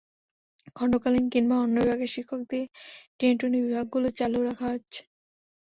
খণ্ডকালীন কিংবা অন্য বিভাগের শিক্ষক দিয়ে টেনেটুনে বিভাগগুলো চালু রাখা হয়েছে।